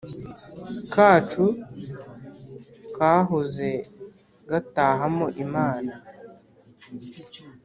kacu kahoze gatahamo Imana.